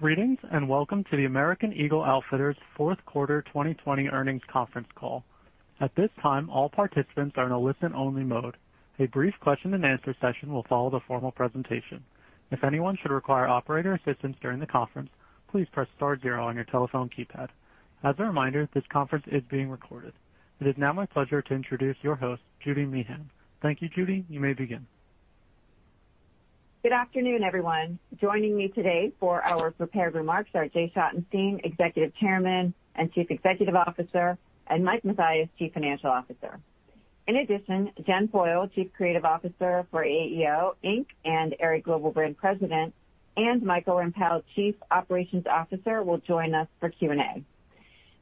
Greetings, welcome to the American Eagle Outfitters Fourth Quarter 2020 Earnings Conference Call. At this time, all participants are in a listen-only mode. A brief question and answer session will follow the formal presentation. If anyone should require operator assistance during the conference, please press star zero on your telephone keypad. As a reminder, this conference is being recorded. It is now my pleasure to introduce your host, Judy Meehan. Thank you, Judy. You may begin. Good afternoon, everyone. Joining me today for our prepared remarks are Jay Schottenstein, Executive Chairman and Chief Executive Officer, and Mike Mathias, Chief Financial Officer. Jen Foyle, Chief Creative Officer for AEO Inc. and Aerie Global Brand President, and Michael Rempell, Chief Operations Officer, will join us for Q&A.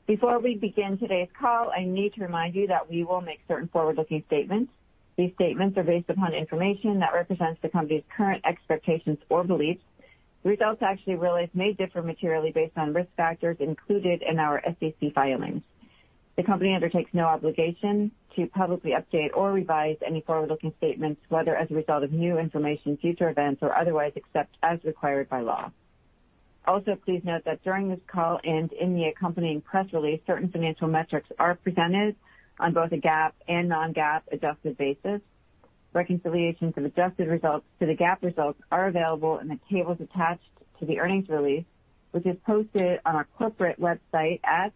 Before we begin today's call, I need to remind you that we will make certain forward-looking statements. These statements are based upon information that represents the company's current expectations or beliefs. Results actually realized may differ materially based on risk factors included in our SEC filings. The company undertakes no obligation to publicly update or revise any forward-looking statements, whether as a result of new information, future events, or otherwise, except as required by law. Also, please note that during this call and in the accompanying press release, certain financial metrics are presented on both a GAAP and non-GAAP adjusted basis. Reconciliations of adjusted results to the GAAP results are available in the tables attached to the earnings release, which is posted on our corporate website at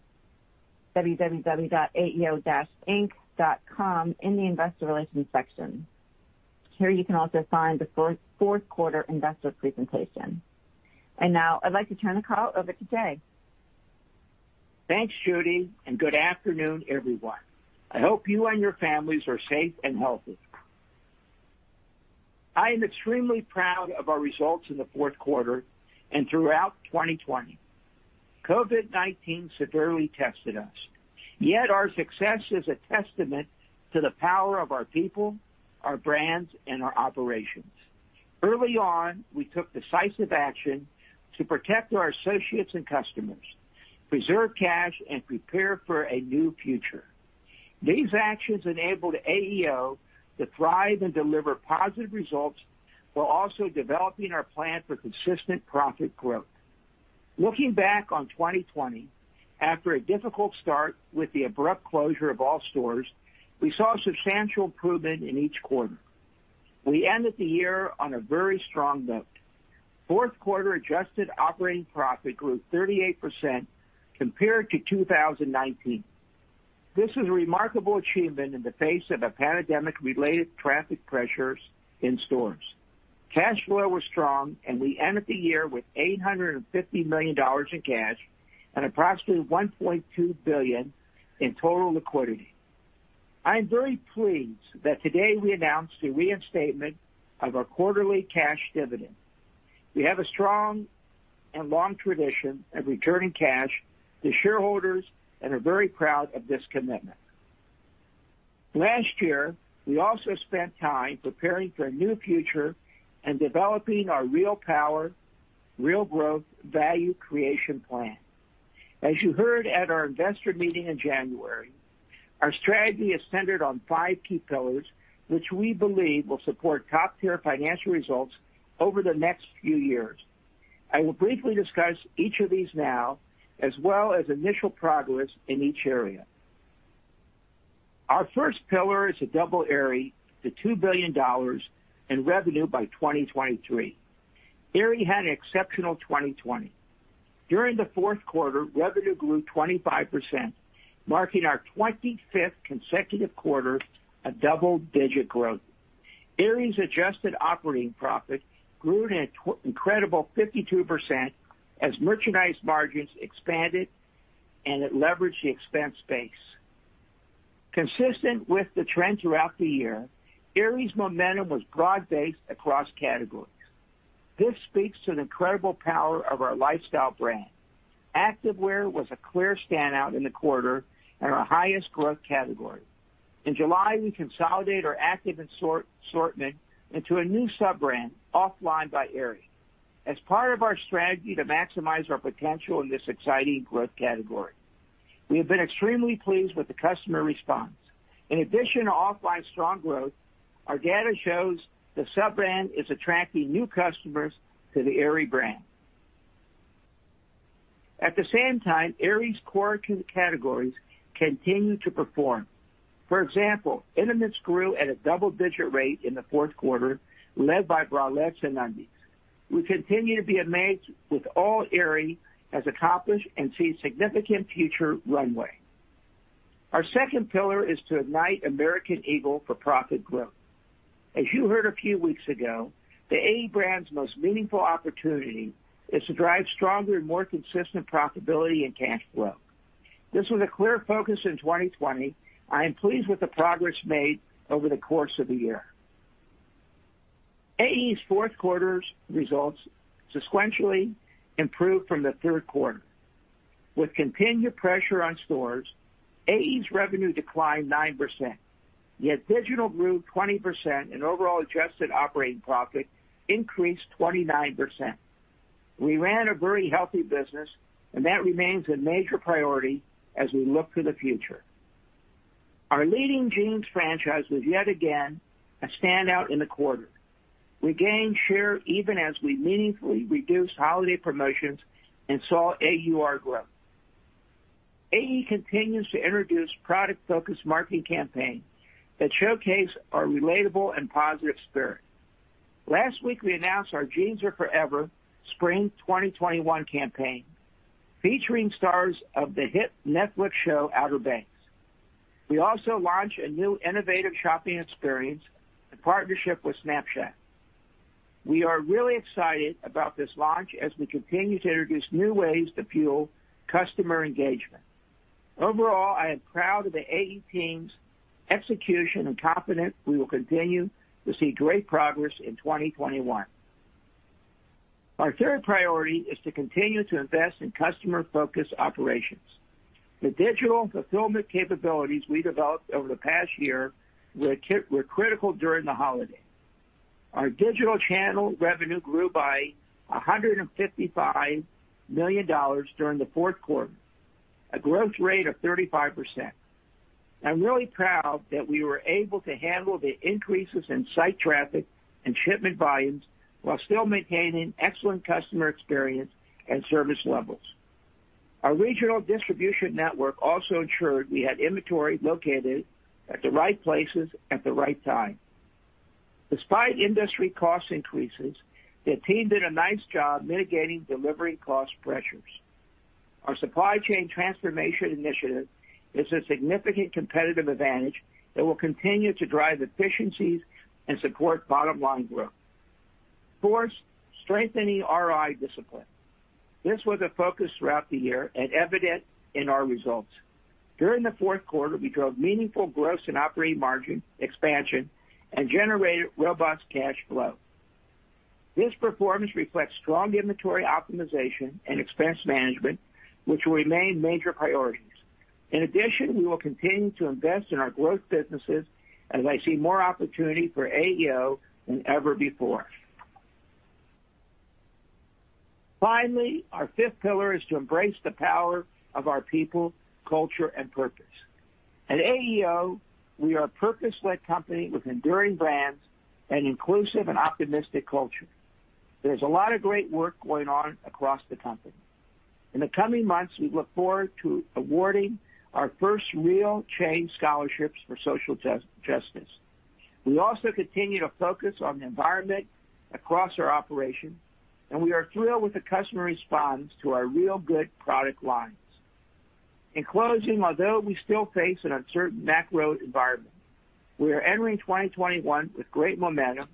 www.aeo-inc.com in the investor relations section. Here, you can also find the fourth quarter investor presentation. Now I'd like to turn the call over to Jay. Thanks, Judy. Good afternoon, everyone. I hope you and your families are safe and healthy. I am extremely proud of our results in the fourth quarter and throughout 2020. COVID-19 severely tested us. Our success is a testament to the power of our people, our brands, and our operations. Early on, we took decisive action to protect our associates and customers, preserve cash, and prepare for a new future. These actions enabled AEO to thrive and deliver positive results while also developing our plan for consistent profit growth. Looking back on 2020, after a difficult start with the abrupt closure of all stores, we saw substantial improvement in each quarter. We ended the year on a very strong note. 4th quarter adjusted operating profit grew 38% compared to 2019. This is a remarkable achievement in the face of a pandemic-related traffic pressures in stores. Cash flow was strong, and we ended the year with $850 million in cash and approximately $1.2 billion in total liquidity. I am very pleased that today we announced the reinstatement of our quarterly cash dividend. We have a strong and long tradition of returning cash to shareholders and are very proud of this commitment. Last year, we also spent time preparing for a new future and developing our Real Power. Real Growth Value Creation Plan. As you heard at our Investor Meeting in January, our strategy is centered on five key pillars, which we believe will support top-tier financial results over the next few years. I will briefly discuss each of these now, as well as initial progress in each area. Our first pillar is to double Aerie to $2 billion in revenue by 2023. Aerie had an exceptional 2020. During the fourth quarter, revenue grew 25%, marking our 25th consecutive quarter of double-digit growth. Aerie's adjusted operating profit grew at an incredible 52% as merchandise margins expanded, and it leveraged the expense base. Consistent with the trend throughout the year, Aerie's momentum was broad-based across categories. This speaks to the incredible power of our lifestyle brand. Activewear was a clear standout in the quarter and our highest growth category. In July, we consolidate our active assortment into a new sub-brand, OFFLINE by Aerie, as part of our strategy to maximize our potential in this exciting growth category. We have been extremely pleased with the customer response. In addition to OFFLINE's strong growth, our data shows the sub-brand is attracting new customers to the Aerie brand. At the same time, Aerie's core categories continue to perform. For example, intimates grew at a double-digit rate in the fourth quarter, led by bralettes and undies. We continue to be amazed with all Aerie has accomplished and see significant future runway. Our second pillar is to ignite American Eagle for profit growth. As you heard a few weeks ago, the AE brand's most meaningful opportunity is to drive stronger and more consistent profitability and cash flow. This was a clear focus in 2020. I am pleased with the progress made over the course of the year. AE's fourth quarter's results sequentially improved from the third quarter. With continued pressure on stores, AE's revenue declined 9%. Digital grew 20%, and overall adjusted operating profit increased 29%. We ran a very healthy business, and that remains a major priority as we look to the future. Our leading jeans franchise was yet again a standout in the quarter. We gained share even as we meaningfully reduced holiday promotions and saw AUR grow. AE continues to introduce product-focused marketing campaign that showcase our relatable and positive spirit. Last week, we announced our Jeans Are Forever Spring 2021 campaign, featuring stars of the hit Netflix show, "Outer Banks." We also launched a new innovative shopping experience in partnership with Snapchat. We are really excited about this launch as we continue to introduce new ways to fuel customer engagement. Overall, I am proud of the AE team's execution and confident we will continue to see great progress in 2021. Our third priority is to continue to invest in customer-focused operations. The digital fulfillment capabilities we developed over the past year were critical during the holiday. Our digital channel revenue grew by $155 million during the fourth quarter, a growth rate of 35%. I'm really proud that we were able to handle the increases in site traffic and shipment volumes while still maintaining excellent customer experience and service levels. Our regional distribution network also ensured we had inventory located at the right places at the right time. Despite industry cost increases, the team did a nice job mitigating delivery cost pressures. Our supply chain transformation initiative is a significant competitive advantage that will continue to drive efficiencies and support bottom-line growth. Fourth, strengthening ROI discipline. This was a focus throughout the year and evident in our results. During the fourth quarter, we drove meaningful gross and operating margin expansion and generated robust cash flow. This performance reflects strong inventory optimization and expense management, which will remain major priorities. In addition, we will continue to invest in our growth businesses as I see more opportunity for AEO than ever before. Finally, our fifth pillar is to embrace the power of our people, culture, and purpose. At AEO, we are a purpose-led company with enduring brands, an inclusive and optimistic culture. There's a lot of great work going on across the company. In the coming months, we look forward to awarding our first REAL Change Scholarships for Social Justice. We also continue to focus on the environment across our operation, and we are thrilled with the customer response to our Real Good product lines. In closing, although we still face an uncertain macro environment, we are entering 2021 with great momentum,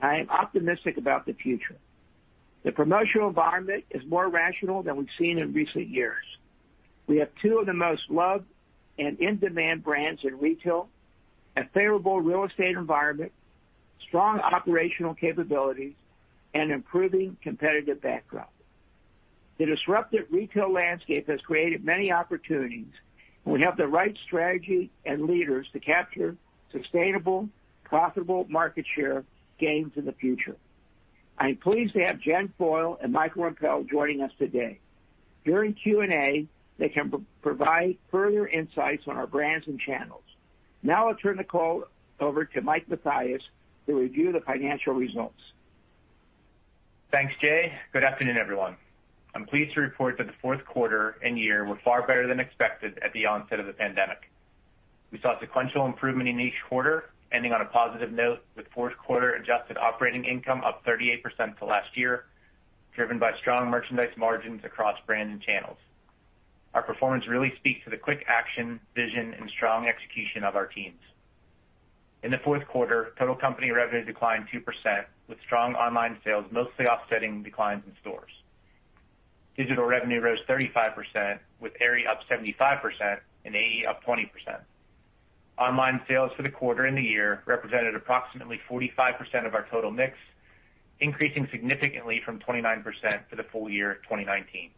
and I am optimistic about the future. The promotional environment is more rational than we've seen in recent years. We have two of the most loved and in-demand brands in retail, a favorable real estate environment, strong operational capabilities, and improving competitive backdrop. The disruptive retail landscape has created many opportunities, and we have the right strategy and leaders to capture sustainable, profitable market share gains in the future. I am pleased to have Jen Foyle and Michael Rempell joining us today. During Q&A, they can provide further insights on our brands and channels. Now I'll turn the call over to Mike Mathias to review the financial results. Thanks, Jay. Good afternoon, everyone. I am pleased to report that the fourth quarter and year were far better than expected at the onset of the pandemic. We saw sequential improvement in each quarter, ending on a positive note with fourth quarter adjusted operating income up 38% to last year, driven by strong merchandise margins across brands and channels. Our performance really speaks to the quick action, vision, and strong execution of our teams. In the fourth quarter, total company revenue declined 2%, with strong online sales mostly offsetting declines in stores. Digital revenue rose 35%, with Aerie up 75% and AE up 20%. Online sales for the quarter and the year represented approximately 45% of our total mix, increasing significantly from 29% for the full year 2019.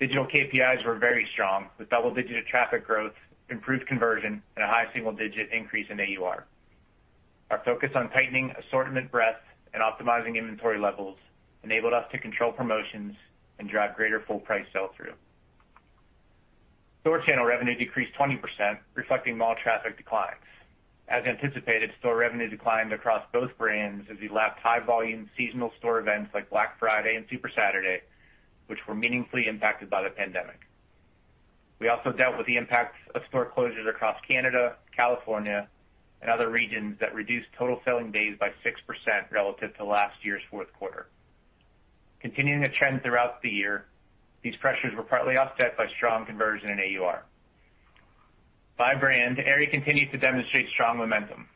Digital KPIs were very strong, with double-digit traffic growth, improved conversion, and a high single-digit increase in AUR. Our focus on tightening assortment breadth and optimizing inventory levels enabled us to control promotions and drive greater full price sell-through. Store channel revenue decreased 20%, reflecting mall traffic declines. As anticipated, store revenue declined across both brands as we lapped high volume seasonal store events like Black Friday and Super Saturday, which were meaningfully impacted by the pandemic. We also dealt with the impacts of store closures across Canada, California, and other regions that reduced total selling days by 6% relative to last year's fourth quarter. Continuing a trend throughout the year, these pressures were partly offset by strong conversion in AUR. By brand, Aerie continued to demonstrate strong momentum.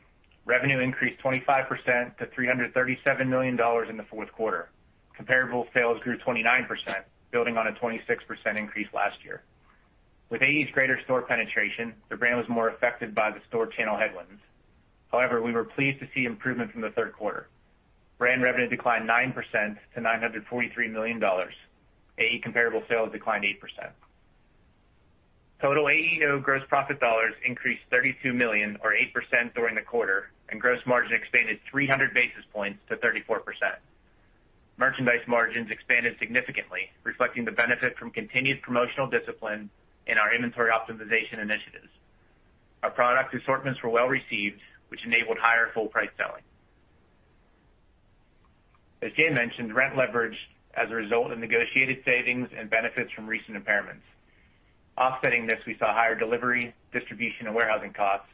Revenue increased 25% to $337 million in the fourth quarter. Comparable sales grew 29%, building on a 26% increase last year. With AE's greater store penetration, the brand was more affected by the store channel headwinds. However, we were pleased to see improvement from the third quarter. Brand revenue declined 9% to $943 million. AE comparable sales declined 8%. Total AEO gross profit dollars increased $32 million or 8% during the quarter, and gross margin expanded 300 basis points to 34%. Merchandise margins expanded significantly, reflecting the benefit from continued promotional discipline in our inventory optimization initiatives. Our product assortments were well received, which enabled higher full-price selling. As Jay mentioned, rent leverage as a result of negotiated savings and benefits from recent impairments. Offsetting this, we saw higher delivery, distribution, and warehousing costs,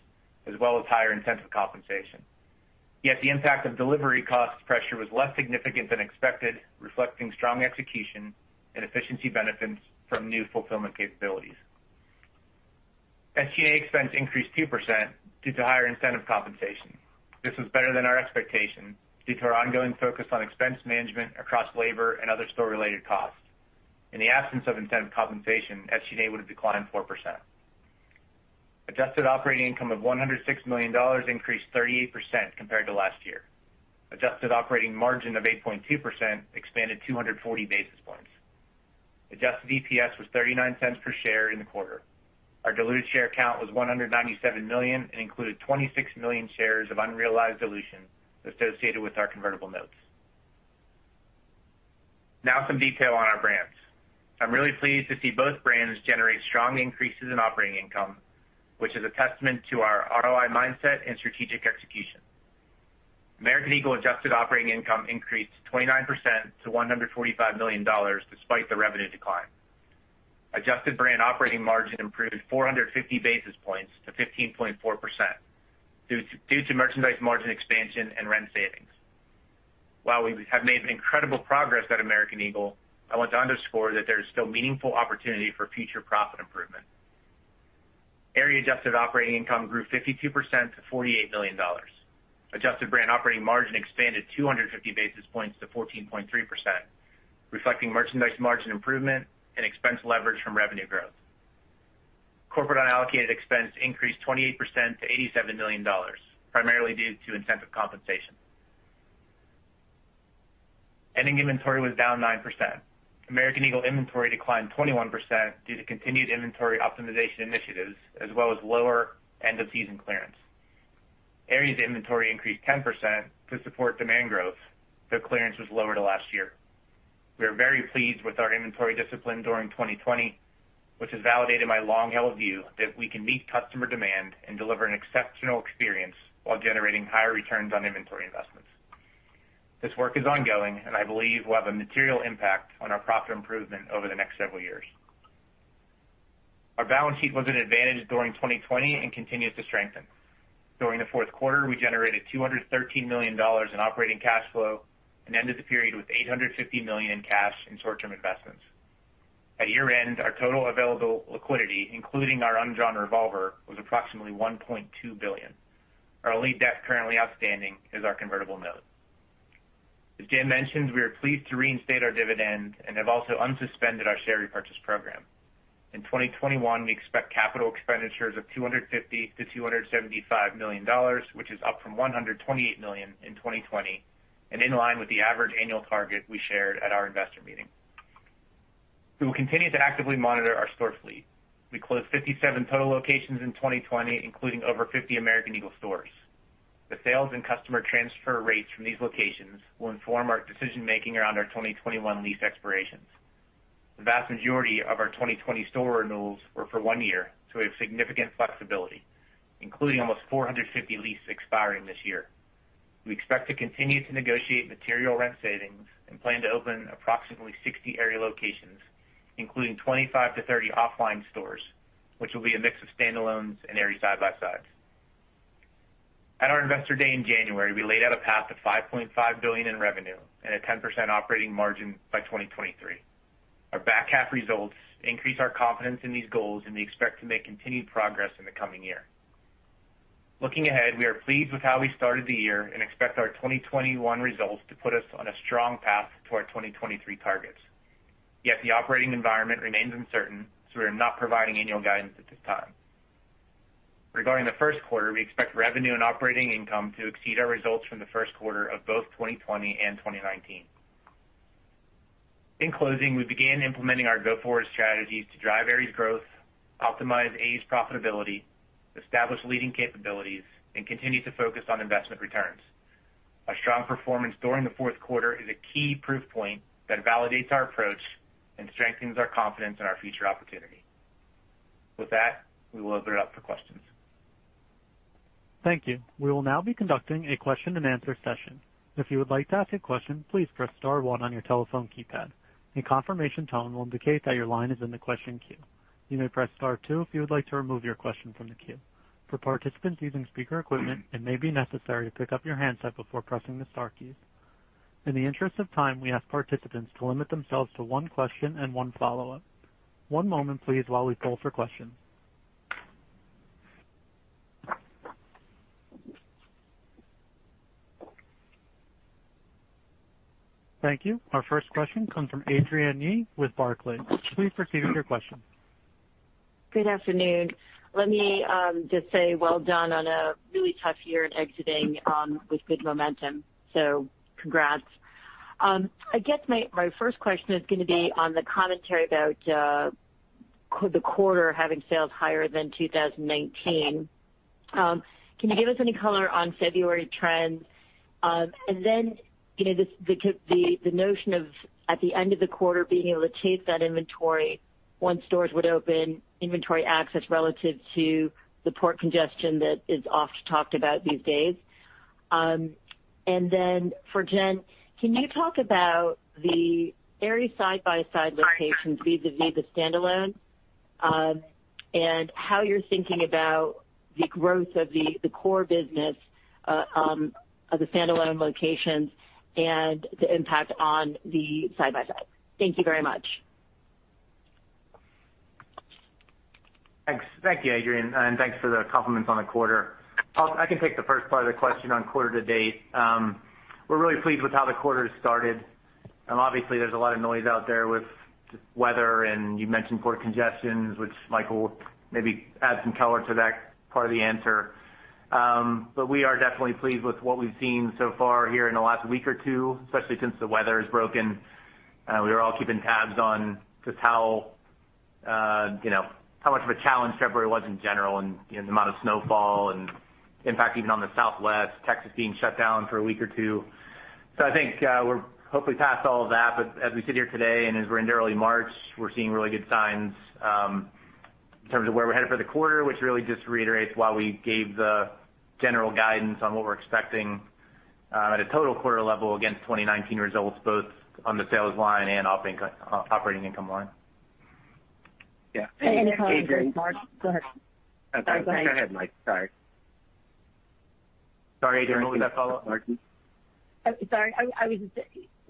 as well as higher incentive compensation. Yet the impact of delivery cost pressure was less significant than expected, reflecting strong execution and efficiency benefits from new fulfillment capabilities. SG&A expense increased 2% due to higher incentive compensation. This was better than our expectation due to our ongoing focus on expense management across labor and other store-related costs. In the absence of incentive compensation, SG&A would have declined 4%. Adjusted operating income of $106 million increased 38% compared to last year. Adjusted operating margin of 8.2% expanded 240 basis points. Adjusted EPS was $0.39 per share in the quarter. Our diluted share count was 197 million and included 26 million shares of unrealized dilution associated with our convertible notes. Now some detail on our brands. I'm really pleased to see both brands generate strong increases in operating income, which is a testament to our ROI mindset and strategic execution. American Eagle adjusted operating income increased 29% to $145 million, despite the revenue decline. Adjusted brand operating margin improved 450 basis points to 15.4%, due to merchandise margin expansion and rent savings. While we have made incredible progress at American Eagle, I want to underscore that there is still meaningful opportunity for future profit improvement. Aerie adjusted operating income grew 52% to $48 million. Adjusted brand operating margin expanded 250 basis points to 14.3%, reflecting merchandise margin improvement and expense leverage from revenue growth. Corporate unallocated expense increased 28% to $87 million, primarily due to incentive compensation. Ending inventory was down 9%. American Eagle inventory declined 21% due to continued inventory optimization initiatives as well as lower end-of-season clearance. Aerie's inventory increased 10% to support demand growth, though clearance was lower to last year. We are very pleased with our inventory discipline during 2020, which has validated my long-held view that we can meet customer demand and deliver an exceptional experience while generating higher returns on inventory investments. This work is ongoing, and I believe will have a material impact on our profit improvement over the next several years. Our balance sheet was an advantage during 2020 and continues to strengthen. During the fourth quarter, we generated $213 million in operating cash flow and ended the period with $850 million in cash and short-term investments. At year-end, our total available liquidity, including our undrawn revolver, was approximately $1.2 billion. Our only debt currently outstanding is our convertible note. As Jay mentioned, we are pleased to reinstate our dividend and have also unsuspended our share repurchase program. In 2021, we expect capital expenditures of $250 million-$275 million, which is up from $128 million in 2020 and in line with the average annual target we shared at our investor meeting. We will continue to actively monitor our store fleet. We closed 57 total locations in 2020, including over 50 American Eagle stores. The sales and customer transfer rates from these locations will inform our decision-making around our 2021 lease expirations. The vast majority of our 2020 store renewals were for one year, so we have significant flexibility, including almost 450 leases expiring this year. We expect to continue to negotiate material rent savings and plan to open approximately 60 Aerie locations, including 25-30 OFFLINE stores, which will be a mix of standalones and Aerie side-by-sides. At our Investor Day in January, we laid out a path to $5.5 billion in revenue and a 10% operating margin by 2023. Our back half results increase our confidence in these goals, and we expect to make continued progress in the coming year. Looking ahead, we are pleased with how we started the year and expect our 2021 results to put us on a strong path to our 2023 targets. Yet the operating environment remains uncertain, so we are not providing annual guidance at this time. Regarding the first quarter, we expect revenue and operating income to exceed our results from the first quarter of both 2020 and 2019. In closing, we began implementing our go-forward strategies to drive Aerie's growth, optimize AE's profitability, establish leading capabilities, and continue to focus on investment returns. Our strong performance during the fourth quarter is a key proof point that validates our approach and strengthens our confidence in our future opportunity. With that, we will open it up for questions. Thank you. We will now be conducting a question and answer session. If you would like to ask a question please press star one on your telephone keypad. A confirmation tone will indicate that your is in the question queue. You may press star two if you would like to remove your question from the queue. For participants using speaker equipments, it may be necessary to pick up your handset before pressing star key. In the interest of time we ask all participants to limit themselves to one question and one follow-up. One moment please while we poll for question. Thank you. Our first question comes from Adrienne Yih with Barclays. Please proceed with your question. Good afternoon. Let me just say well done on a really tough year and exiting with good momentum. Congrats. I guess my first question is going to be on the commentary about- ...could the quarter having sales higher than 2019? Can you give us any color on February trends? The notion of, at the end of the quarter, being able to chase that inventory once stores would open, inventory access relative to the port congestion that is often talked about these days? For Jen, can you talk about the Aerie side-by-side locations vis-a-vis the standalone, and how you're thinking about the growth of the core business of the standalone locations and the impact on the side-by-side. Thank you very much. Thanks. Thank you, Adrienne, and thanks for the compliments on the quarter. I can take the first part of the question on quarter to date. We're really pleased with how the quarter started, and obviously there's a lot of noise out there with weather, and you mentioned port congestions, which Michael maybe add some color to that part of the answer. We are definitely pleased with what we've seen so far here in the last week or two, especially since the weather has broken. We were all keeping tabs on just how much of a challenge February was in general, and the amount of snowfall and impact even on the Southwest, Texas being shut down for a week or two. I think, we're hopefully past all of that. As we sit here today, and as we're into early March, we're seeing really good signs, in terms of where we're headed for the quarter, which really just reiterates why we gave the general guidance on what we're expecting at a total quarter level against 2019 results, both on the sales line and operating income line. Yeah. Any color on gross margin. Go ahead. Go ahead, Mike. Sorry. Sorry, Adrienne, what was that follow-up? Sorry.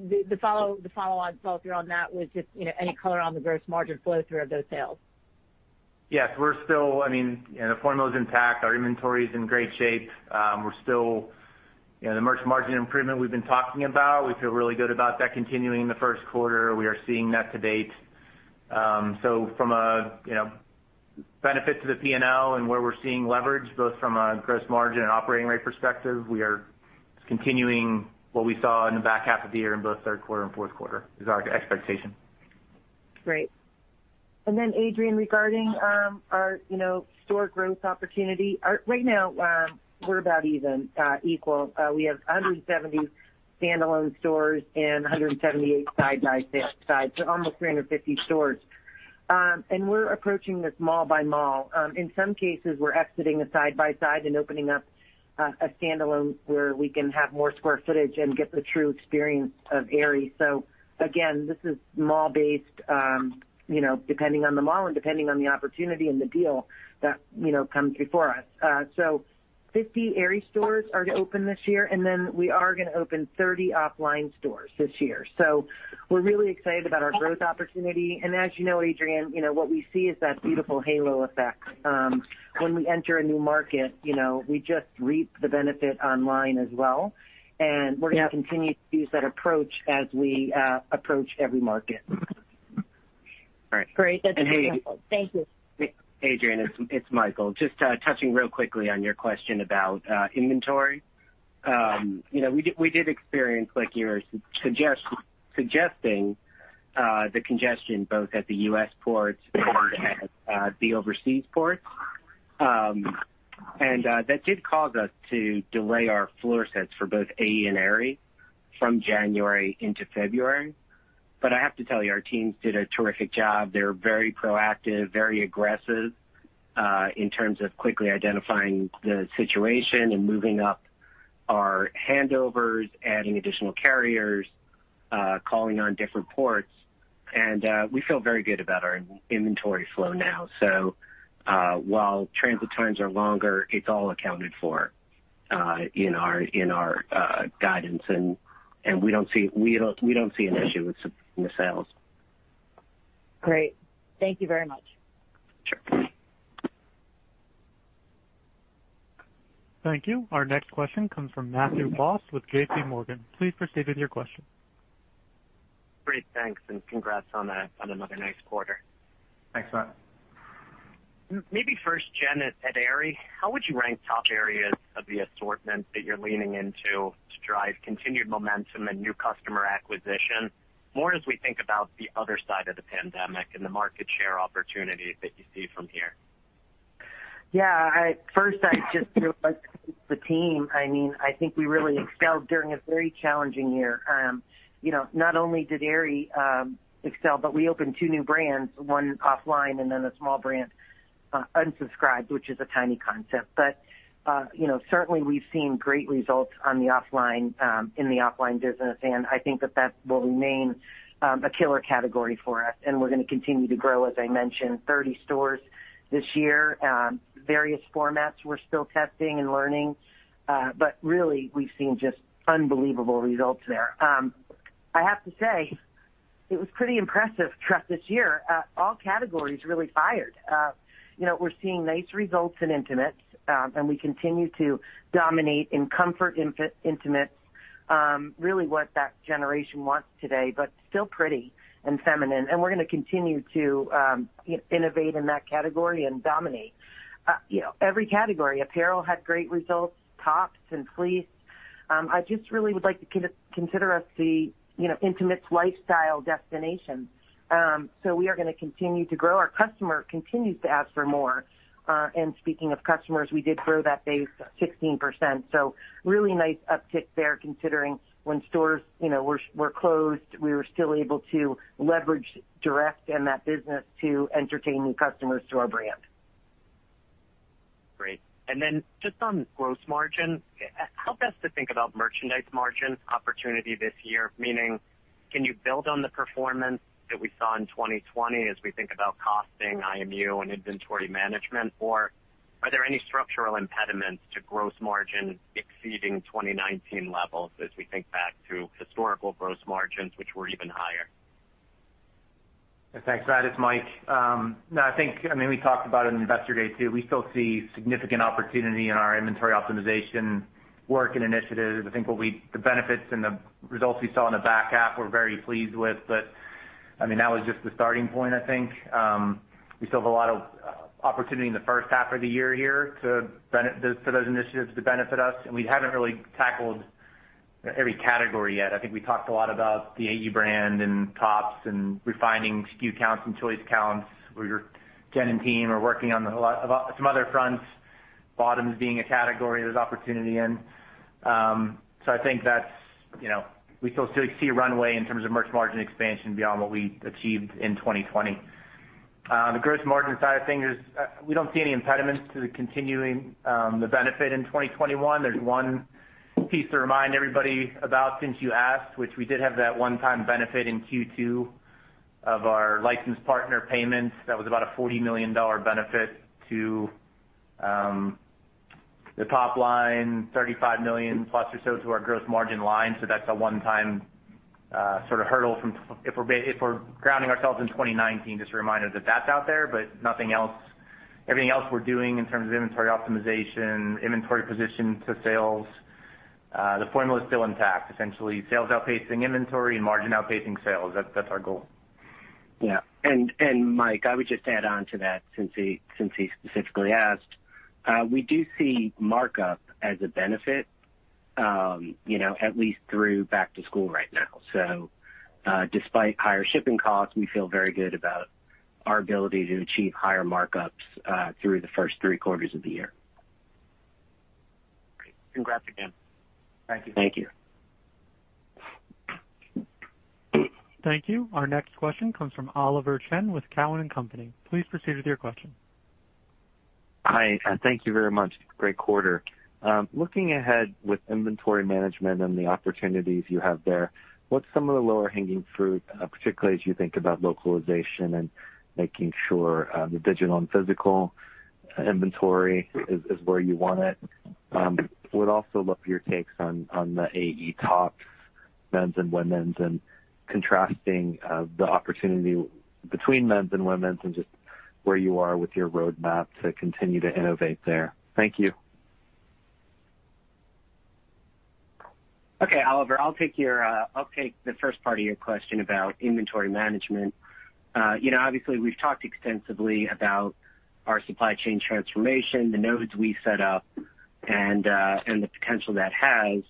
The follow on, follow through on that, if you're on that was just, any color on the gross margin flow through of those sales? Yes. We're still I mean, the formula is intact. Our inventory is in great shape. The merch margin improvement we've been talking about, we feel really good about that continuing in the first quarter. We are seeing that to date. From a benefit to the P&L and where we're seeing leverage, both from a gross margin and operating rate perspective, we are continuing what we saw in the back half of the year in both third quarter and fourth quarter, is our expectation. Great. Adrienne, regarding our store growth opportunity, right now, we're about even, equal. We have 170 standalone stores and 178 side-by-side. Almost 350 stores. We're approaching this mall by mall. In some cases, we're exiting a side-by-side and opening up a standalone where we can have more square footage and get the true experience of Aerie. Again, this is mall based, depending on the mall and depending on the opportunity and the deal that comes before us. 50 Aerie stores are to open this year, and then we are gonna open 30 offline stores this year. We're really excited about our growth opportunity. As you know, Adrienne, what we see is that beautiful halo effect. When we enter a new market, we just reap the benefit online as well, and we're gonna continue to use that approach as we approach every market. All right. Great. That's helpful. Thank you. Adrienne, it's Michael. Just touching real quickly on your question about inventory. We did experience like you were suggesting, the congestion, both at the U.S. ports and at the overseas ports. That did cause us to delay our floor sets for both AE and Aerie from January into February. I have to tell you, our teams did a terrific job. They were very proactive, very aggressive, in terms of quickly identifying the situation and moving up our handovers, adding additional carriers, calling on different ports, and we feel very good about our inventory flow now. While transit times are longer, it's all accounted for in our guidance, and we don't see an issue with the sales. Great. Thank you very much. Sure. Thank you. Our next question comes from Matthew Boss with JPMorgan. Please proceed with your question. Great. Thanks, congrats on another nice quarter. Thanks, Matt. Maybe first, Jen, at Aerie, how would you rank top areas of the assortment that you're leaning into to drive continued momentum and new customer acquisition, more as we think about the other side of the pandemic and the market share opportunity that you see from here? First, I just feel like the team, I think we really excelled during a very challenging year. Not only did Aerie excel, but we opened two new brands, one OFFLINE, and then a small brand, Unsubscribed, which is a tiny concept. Certainly we've seen great results in the OFFLINE business, and I think that that will remain a killer category for us, and we're gonna continue to grow, as I mentioned, 30 stores this year. Various formats we're still testing and learning. Really we've seen just unbelievable results there. I have to say, it was pretty impressive throughout this year. All categories really fired. We're seeing nice results in intimates, and we continue to dominate in comfort intimates, really what that generation wants today, but still pretty and feminine. We're gonna continue to innovate in that category and dominate every category. Apparel had great results, tops and fleece. I just really would like to consider us the intimate lifestyle destination. We are going to continue to grow. Our customer continues to ask for more. Speaking of customers, we did grow that base 16%. Really nice uptick there considering when stores were closed, we were still able to leverage direct and that business to entertain new customers to our brand. Great. Just on gross margin, help us to think about merchandise margin opportunity this year. Meaning, can you build on the performance that we saw in 2020 as we think about costing IMU and inventory management? Or are there any structural impediments to gross margin exceeding 2019 levels as we think back to historical gross margins, which were even higher? Thanks, Matt. It's Mike. I think, we talked about it in Investor Day, too. We still see significant opportunity in our inventory optimization work and initiatives. I think the benefits and the results we saw in the back half, we're very pleased with. That was just the starting point, I think. We still have a lot of opportunity in the first half of the year here for those initiatives to benefit us, and we haven't really tackled every category yet. I think we talked a lot about the AE brand and tops and refining SKU counts and choice counts. Jen and team are working on some other fronts, bottoms being a category there's opportunity in. I think that we still see a runway in terms of merch margin expansion beyond what we achieved in 2020. The gross margin side of things is, we don't see any impediments to the continuing the benefit in 2021. There's one piece to remind everybody about, since you asked, which we did have that one-time benefit in Q2 of our licensed partner payments. That was about a $40 million benefit to the top line, $35+ million or so to our gross margin line. That's a one-time hurdle from if we're grounding ourselves in 2019, just a reminder that that's out there, but nothing else. Everything else we're doing in terms of inventory optimization, inventory position to sales, the formula is still intact. Essentially, sales outpacing inventory and margin outpacing sales. That's our goal. Yeah. Mike, I would just add on to that since he specifically asked. We do see markup as a benefit at least through back to school right now. Despite higher shipping costs, we feel very good about our ability to achieve higher markups through the first three quarters of the year. Great. Congrats again. Thank you. Thank you. Thank you. Our next question comes from Oliver Chen with Cowen and Company. Please proceed with your question. Hi, thank you very much. Great quarter. Looking ahead with inventory management and the opportunities you have there, what's some of the lower hanging fruit, particularly as you think about localization and making sure the digital and physical inventory is where you want it? Would also love your takes on the AE tops, men's and women's, and contrasting the opportunity between men's and women's and just where you are with your roadmap to continue to innovate there. Thank you. Okay, Oliver, I'll take the first part of your question about inventory management. We've talked extensively about our supply chain transformation, the nodes we set up, and the potential that has.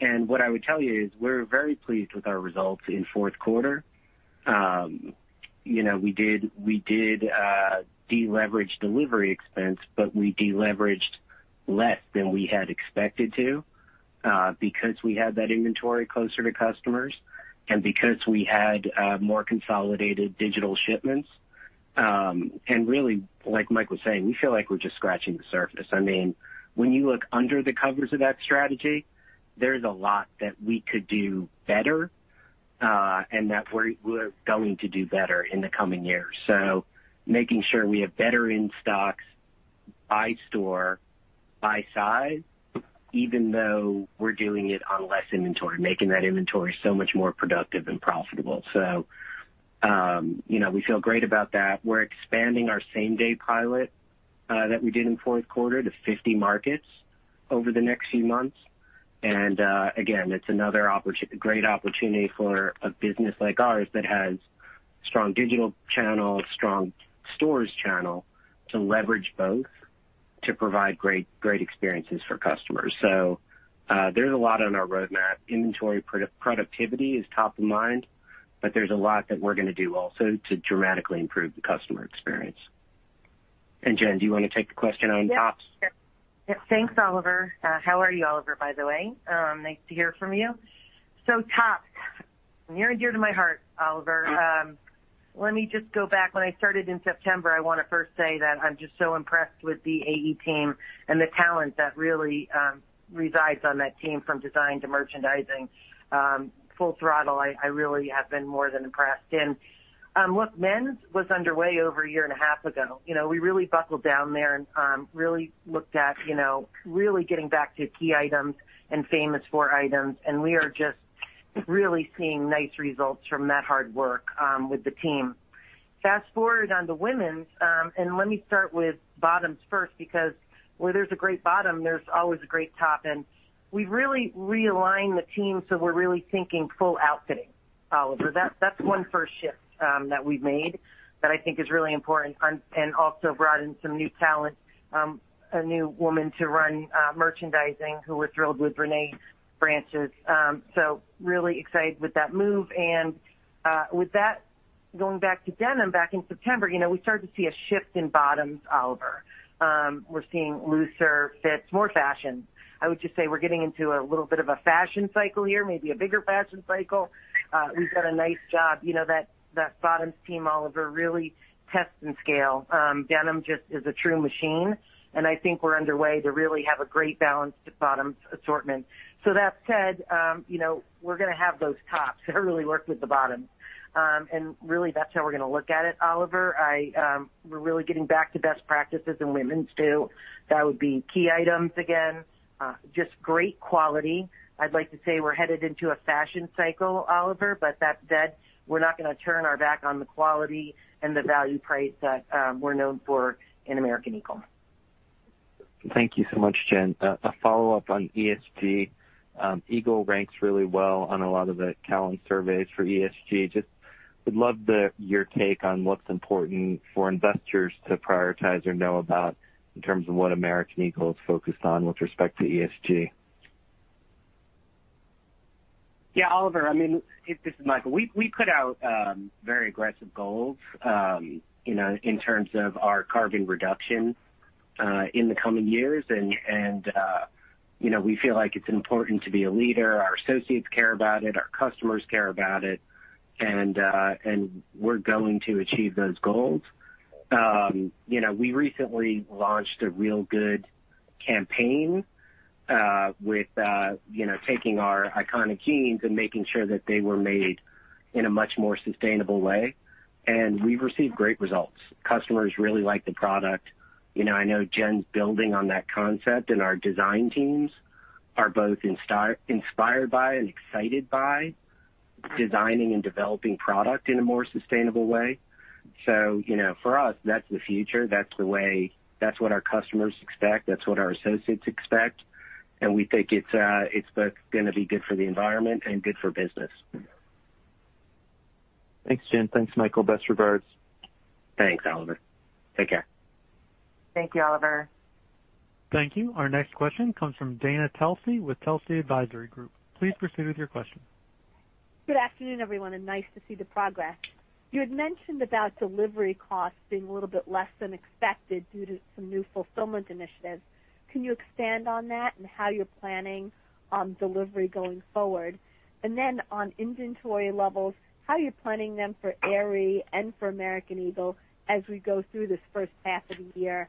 What I would tell you is we're very pleased with our results in fourth quarter. We did de-leverage delivery expense, we de-leveraged less than we had expected to because we had that inventory closer to customers and because we had more consolidated digital shipments. Really, like Mike was saying, we feel like we're just scratching the surface. When you look under the covers of that strategy, there's a lot that we could do better, and that we're going to do better in the coming years. Making sure we have better in-stocks by store, by size, even though we're doing it on less inventory, making that inventory so much more productive and profitable. We feel great about that. We're expanding our same-day pilot that we did in fourth quarter to 50 markets over the next few months. Again, it's another great opportunity for a business like ours that has strong digital channel, strong stores channel to leverage both to provide great experiences for customers. There's a lot on our roadmap. Inventory productivity is top of mind, but there's a lot that we're going to do also to dramatically improve the customer experience. Jen, do you want to take the question on tops? Thanks, Oliver. How are you, Oliver, by the way? Nice to hear from you. Tops, near and dear to my heart, Oliver. Let me just go back. When I started in September, I want to first say that I'm just so impressed with the AE team and the talent that really resides on that team, from design to merchandising. Full throttle, I really have been more than impressed. Look, men's was underway over a year and a half ago. We really buckled down there and really looked at really getting back to key items and famous for items, and we are just really seeing nice results from that hard work with the team. Fast forward on the women's, and let me start with bottoms first, because where there's a great bottom, there's always a great top. We really realigned the team, we're really thinking full outfitting, Oliver, that's one first shift that we've made that I think is really important and also brought in some new talent, a new woman to run merchandising, who we're thrilled with, Renee Branches. Really excited with that move. With that, going back to denim, back in September, we started to see a shift in bottoms, Oliver. We're seeing looser fits, more fashion. I would just say we're getting into a little bit of a fashion cycle here, maybe a bigger fashion cycle. We've done a nice job. That bottoms team, Oliver, really tests and scale. Denim just is a true machine, and I think we're underway to really have a great balanced bottoms assortment. That said, we're going to have those tops that really work with the bottoms. Really that's how we're going to look at it, Oliver. We're really getting back to best practices in women's too. That would be key items again, just great quality. I'd like to say we're headed into a fashion cycle, Oliver, but that said, we're not going to turn our back on the quality and the value price that we're known for in American Eagle. Thank you so much, Jen. A follow-up on ESG. Eagle ranks really well on a lot of the talent surveys for ESG. Just would love your take on what's important for investors to prioritize or know about in terms of what American Eagle is focused on with respect to ESG. Yeah, Oliver, this is Michael. We put out very aggressive goals in terms of our carbon reduction in the coming years. We feel like it's important to be a leader. Our associates care about it, our customers care about it, and we're going to achieve those goals. We recently launched a Real Good campaign with taking our iconic jeans and making sure that they were made in a much more sustainable way, and we've received great results. Customers really like the product. I know Jen's building on that concept, and our design teams are both inspired by and excited by designing and developing product in a more sustainable way. For us, that's the future. That's what our customers expect. That's what our associates expect. We think it's both going to be good for the environment and good for business. Thanks, Jen. Thanks, Michael. Best regards. Thanks, Oliver. Take care. Thank you, Oliver. Thank you. Our next question comes from Dana Telsey with Telsey Advisory Group. Please proceed with your question. Good afternoon, everyone. Nice to see the progress. You had mentioned about delivery costs being a little bit less than expected due to some new fulfillment initiatives. Can you expand on that and how you're planning on delivery going forward? On inventory levels, how are you planning them for Aerie and for American Eagle as we go through this first half of the year?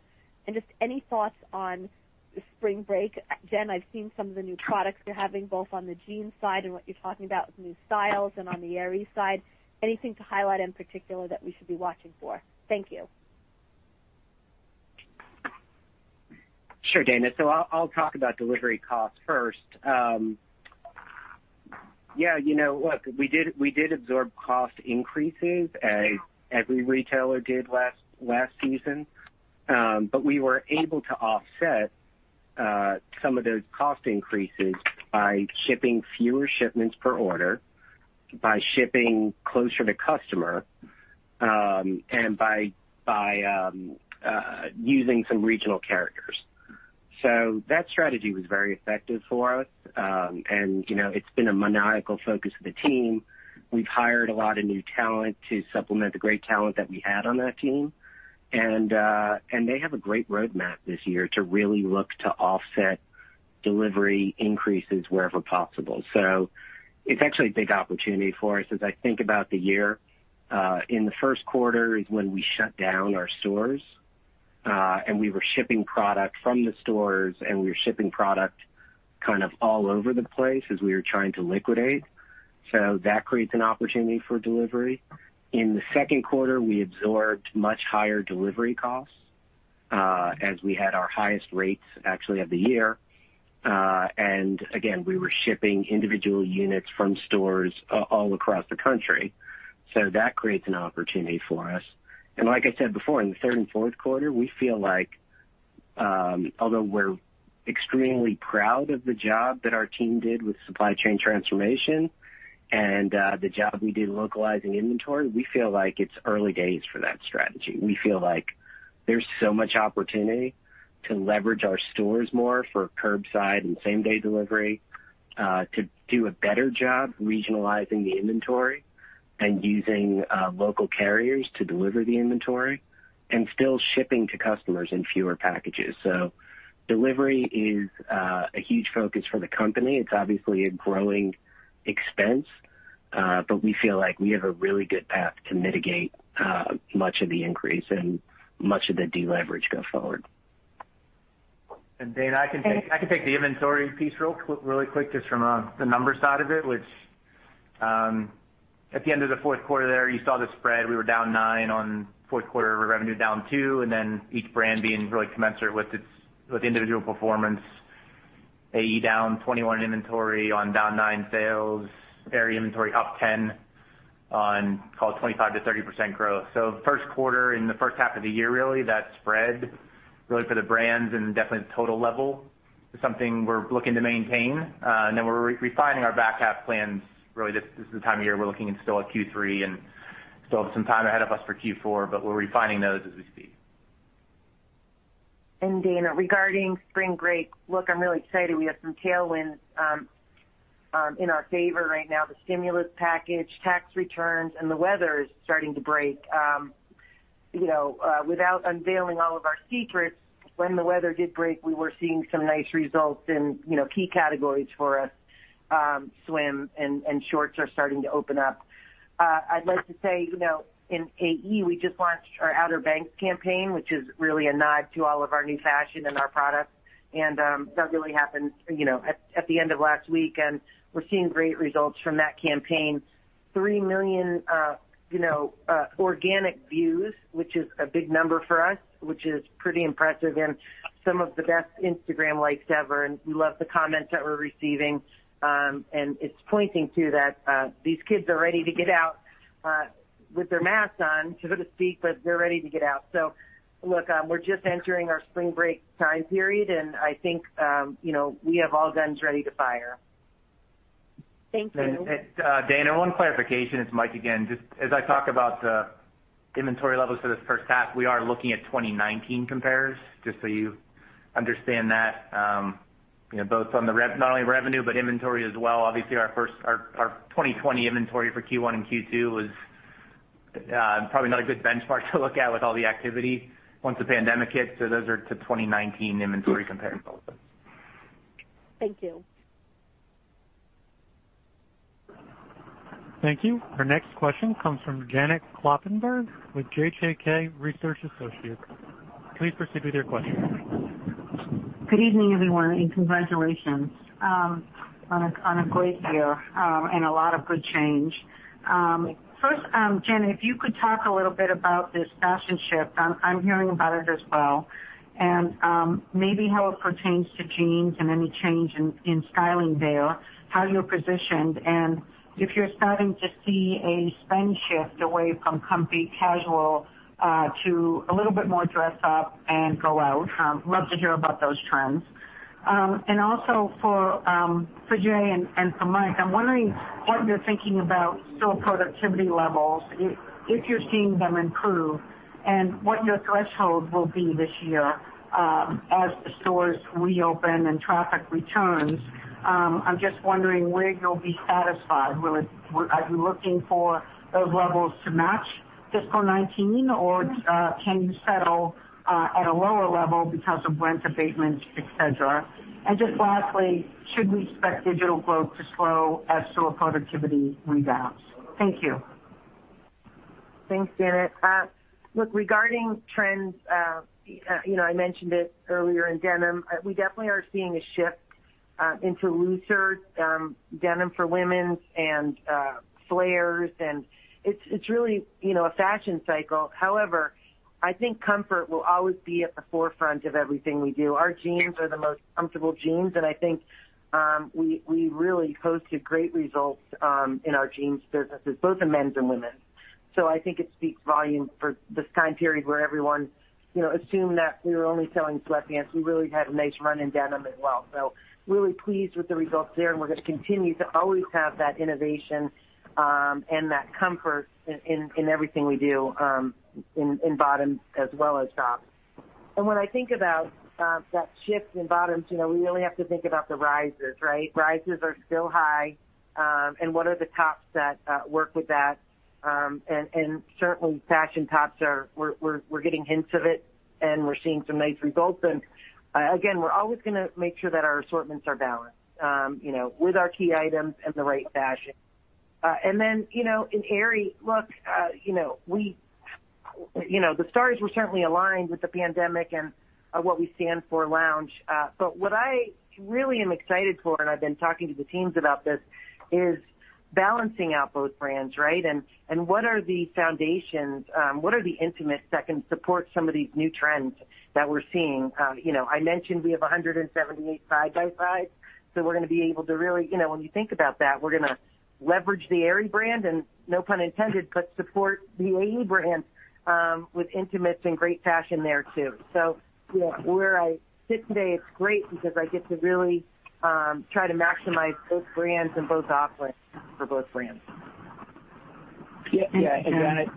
Just any thoughts on the spring break. Jen, I've seen some of the new products you're having both on the jeans side and what you're talking about with new styles and on the Aerie side. Anything to highlight in particular that we should be watching for? Thank you. Sure, Dana. I'll talk about delivery costs first. Yeah, look, we did absorb cost increases as every retailer did last season. We were able to offset some of those cost increases by shipping fewer shipments per order, by shipping closer to customer, and by using some regional carriers. That strategy was very effective for us. It's been a maniacal focus of the team. We've hired a lot of new talent to supplement the great talent that we had on that team. They have a great roadmap this year to really look to offset delivery increases wherever possible. It's actually a big opportunity for us as I think about the year. In the first quarter is when we shut down our stores, and we were shipping product from the stores, and we were shipping product all over the place as we were trying to liquidate. That creates an opportunity for delivery. In the second quarter, we absorbed much higher delivery costs as we had our highest rates actually of the year. Again, we were shipping individual units from stores all across the country. That creates an opportunity for us. Like I said before, in the third and fourth quarter, we feel like although we're extremely proud of the job that our team did with supply chain transformation and the job we did localizing inventory, we feel like it's early days for that strategy. We feel like there's so much opportunity to leverage our stores more for curbside and same-day delivery, to do a better job regionalizing the inventory and using local carriers to deliver the inventory and still shipping to customers in fewer packages. Delivery is a huge focus for the company. It's obviously a growing expense. We feel like we have a really good path to mitigate much of the increase and much of the deleverage going forward. Dana, I can take the inventory piece really quick just from the numbers side of it, which at the end of the fourth quarter there, you saw the spread. We were down 9% on fourth quarter revenue, down 2%, and then each brand being really commensurate with the individual performance. AE down 21% in inventory on down 9% sales. Aerie inventory up 10%. On call 25%-30% growth. First quarter in the first half of the year, really that spread really for the brands and definitely the total level is something we're looking to maintain. Then we're refining our back half plans. Really, this is the time of year we're looking in still at Q3 and still have some time ahead of us for Q4, but we're refining those as we speak. Dana, regarding spring break, look, I'm really excited we have some tailwinds in our favor right now. The stimulus package, tax returns, and the weather is starting to break. Without unveiling all of our secrets, when the weather did break, we were seeing some nice results in key categories for us. Swim and shorts are starting to open up. I'd like to say, in AE, we just launched our Outer Banks campaign, which is really a nod to all of our new fashion and our products, that really happened at the end of last week, we're seeing great results from that campaign. Three million organic views, which is a big number for us, which is pretty impressive, some of the best Instagram likes ever, we love the comments that we're receiving. It's pointing to that these kids are ready to get out with their masks on, so to speak, but they're ready to get out. Look, we're just entering our spring break time period, and I think we have all guns ready to fire. Thank you. Dana, one clarification. It's Mike again. Just as I talk about the inventory levels for this first half, we are looking at 2019 compares, just so you understand that both on the, not only revenue, but inventory as well. Obviously, our 2020 inventory for Q1 and Q2 was probably not a good benchmark to look at with all the activity once the pandemic hit. Those are to 2019 inventory compares. Thank you. Thank you. Our next question comes from Janet Kloppenburg with JJK Research Associates. Please proceed with your question. Good evening, everyone. Congratulations on a great year and a lot of good change. First, Jen, if you could talk a little bit about this fashion shift, I'm hearing about it as well, and maybe how it pertains to jeans and any change in styling there, how you're positioned, and if you're starting to see a spend shift away from comfy casual to a little bit more dress up and go out. Love to hear about those trends. Also for Jay and for Mike, I'm wondering what you're thinking about store productivity levels, if you're seeing them improve, and what your threshold will be this year as the stores reopen and traffic returns. I'm just wondering where you'll be satisfied. Are you looking for those levels to match fiscal 2019, or can you settle at a lower level because of rent abatements, et cetera? Just lastly, should we expect digital growth to slow as store productivity rebounds? Thank you. Thanks, Janet. Look, regarding trends, I mentioned it earlier in denim, we definitely are seeing a shift into looser denim for women's and flares. It's really a fashion cycle. However, I think comfort will always be at the forefront of everything we do. Our jeans are the most comfortable jeans. I think we really posted great results in our jeans businesses, both in men's and women's. I think it speaks volume for this time period where everyone assumed that we were only selling sweatpants. We really had a nice run in denim as well. Really pleased with the results there. We're going to continue to always have that innovation and that comfort in everything we do in bottoms as well as tops. When I think about that shift in bottoms, we really have to think about the rises, right? Rises are still high, what are the tops that work with that? Certainly fashion tops are, we're getting hints of it, and we're seeing some nice results. Again, we're always going to make sure that our assortments are balanced with our key items and the right fashion. In Aerie, look, the stars were certainly aligned with the pandemic and what we stand for, lounge. What I really am excited for, and I've been talking to the teams about this, is balancing out both brands, right? What are the foundations, what are the intimates that can support some of these new trends that we're seeing? I mentioned we have 178 side-by-sides. When you think about that, we're going to leverage the Aerie brand and no pun intended, but support the AE brand with intimates and great fashion there too. Where I sit today, it's great because I get to really try to maximize both brands and both outlets for both brands. Thank you. Yeah. Janet-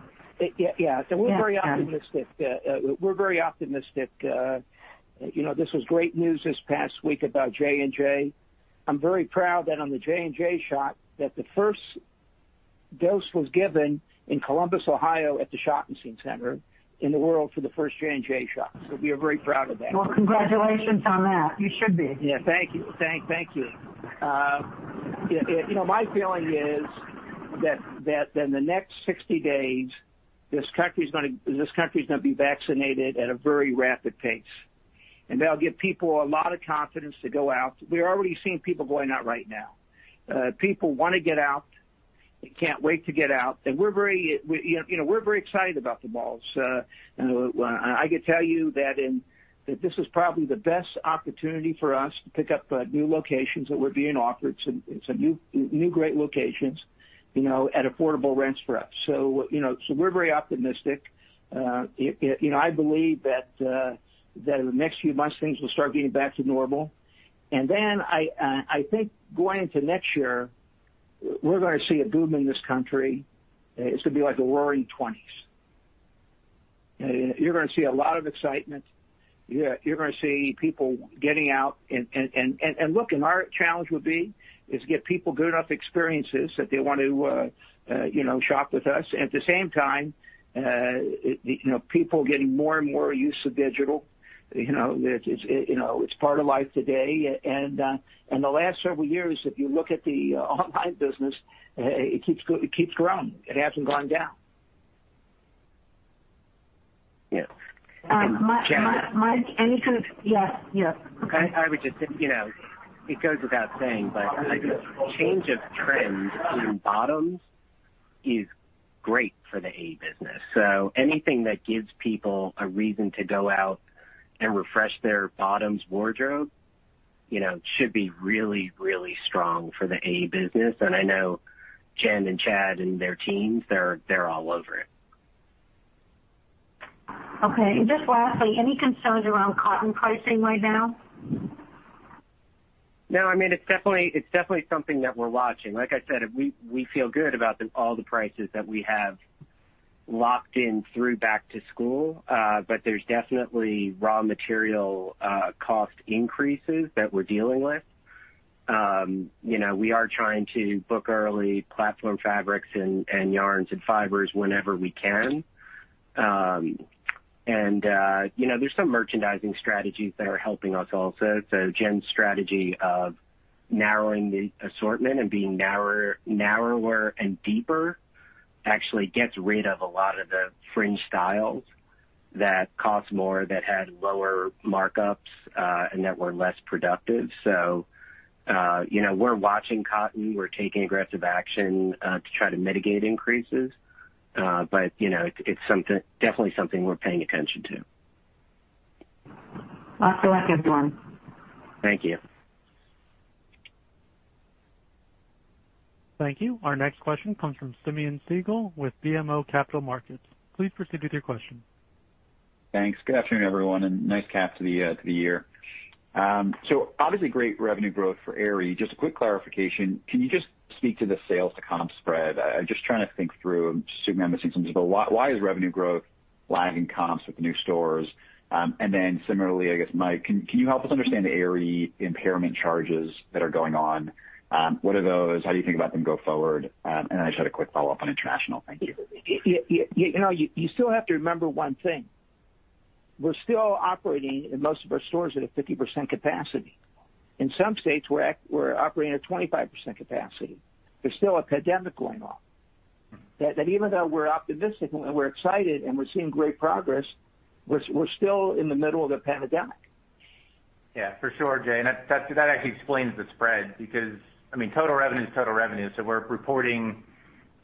Yeah. We're very optimistic. This was great news this past week about J&J. I'm very proud that on the J&J shot, that the first dose was given in Columbus, Ohio, at the Schottenstein Center in the world for the first J&J shot. We are very proud of that. Well, congratulations on that. You should be. Yeah. Thank you. My feeling is that in the next 60 days, this country's going to be vaccinated at a very rapid pace. That'll give people a lot of confidence to go out. We're already seeing people going out right now. People want to get out. They can't wait to get out. We're very excited about the malls. I could tell you that this is probably the best opportunity for us to pick up new locations that we're being offered. Some new great locations, at affordable rents for us. We're very optimistic. I believe that in the next few months, things will start getting back to normal. I think going into next year, we're going to see a boom in this country. It's going to be like the roaring 2020s. You're going to see a lot of excitement. You're going to see people getting out. Look, and our challenge would be, is to get people good enough experiences that they want to shop with us. At the same time, people are getting more and more used to digital. It's part of life today. The last several years, if you look at the online business, it keeps growing. It hasn't gone down. Yeah. Mike, any sort of, yes, go ahead. I would just say, it goes without saying, I think change of trends in bottoms is great for the AE business. Anything that gives people a reason to go out and refresh their bottoms wardrobe should be really strong for the AE business. I know Jen and Chad and their teams, they're all over it. Okay. Just lastly, any concerns around cotton pricing right now? It's definitely something that we're watching. Like I said, we feel good about all the prices that we have locked in through back to school. There's definitely raw material cost increases that we're dealing with. We are trying to book early platform fabrics and yarns and fibers whenever we can. There's some merchandising strategies that are helping us also. Jen's strategy of narrowing the assortment and being narrower and deeper actually gets rid of a lot of the fringe styles that cost more, that had lower markups, and that were less productive. We're watching cotton. We're taking aggressive action to try to mitigate increases. It's definitely something we're paying attention to. Lots of luck, everyone. Thank you. Thank you. Our next question comes from Simeon Siegel with BMO Capital Markets. Please proceed with your question. Thanks. Good afternoon, everyone, and nice cap to the year. Obviously, great revenue growth for Aerie. Just a quick clarification, can you just speak to the sales to comp spread? I'm just trying to think through, I assume I'm missing something, but why is revenue growth lagging comps with new stores? Similarly, I guess, Mike, can you help us understand the Aerie impairment charges that are going on? What are those? How do you think about them go forward? I just had a quick follow-up on international. Thank you. You still have to remember one thing. We're still operating in most of our stores at a 50% capacity. In some states, we're operating at 25% capacity. There's still a pandemic going on. Even though we're optimistic and we're excited and we're seeing great progress, we're still in the middle of the pandemic. Yeah, for sure, Jay, that actually explains the spread because total revenue is total revenue. We're reporting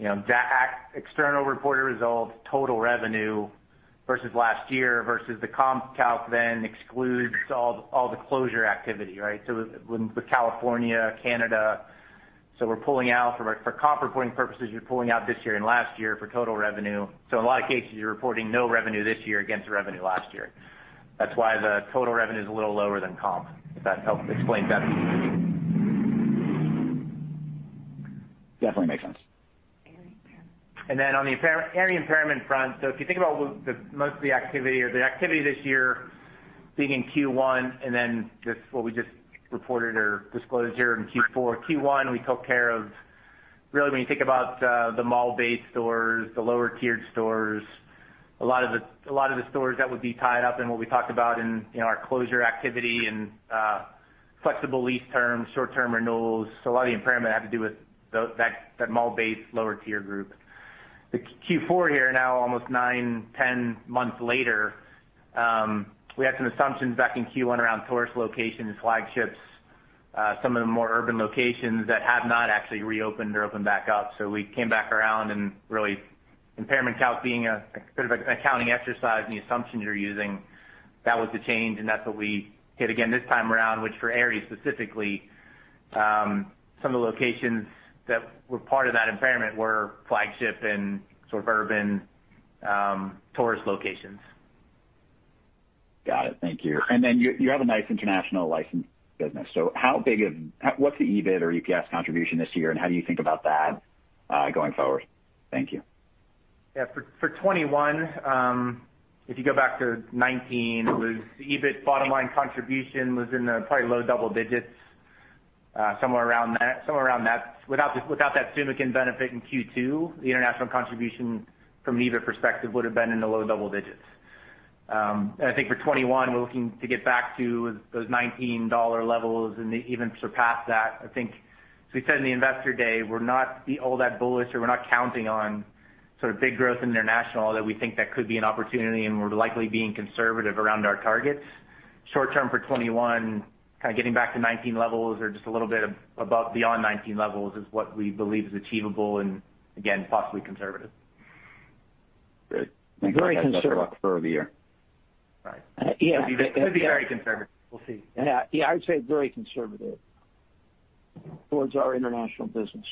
GAAP external reported results, total revenue versus last year, versus the comp calc excludes all the closure activity, right? With California, Canada, for comp reporting purposes, you're pulling out this year and last year for total revenue. In a lot of cases, you're reporting no revenue this year against revenue last year. That's why the total revenue is a little lower than comp, if that helps explain that piece. Definitely makes sense. On the Aerie impairment front, if you think about most of the activity or the activity this year being in Q1, and then what we just reported or disclosed here in Q4. Q1, we took care of, when you think about the mall-based stores, the lower tiered stores, a lot of the stores that would be tied up in what we talked about in our closure activity and flexible lease terms, short term renewals. A lot of the impairment had to do with that mall-based lower tier group. The Q4 here, now almost nine, 10 months later, we had some assumptions back in Q1 around tourist locations, flagships, some of the more urban locations that have not actually reopened or opened back up. We came back around and really impairment calc being a bit of an accounting exercise and the assumptions you're using, that was the change, and that's what we did again this time around, which for Aerie specifically, some of the locations that were part of that impairment were flagship and sort of urban tourist locations. Got it. Thank you. You have a nice international licensed business. What's the EBIT or EPS contribution this year, and how do you think about that going forward? Thank you. Yeah. For 2021, if you go back to 2019, the EBIT bottom line contribution was in the probably low double digits, somewhere around that. Without that Sumikon benefit in Q2, the international contribution from an EBIT perspective would have been in the low double digits. I think for 2021, we're looking to get back to those 2019 levels and even surpass that. I think, as we said in the Investor Day, we're not all that bullish, or we're not counting on sort of big growth in international, although we think that could be an opportunity, we're likely being conservative around our targets. Short term for 2021, kind of getting back to 2019 levels or just a little bit above beyond 2019 levels is what we believe is achievable again, possibly conservative. Great. Thanks a lot. Very conservative. Best of luck for the year. Right. Yeah. Could be very conservative. We'll see. Yeah. I would say very conservative towards our international business.